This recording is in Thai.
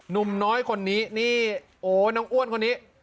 หนุ่มน้อยคนนี้นี่โอ้น้องอ้วนคนนี้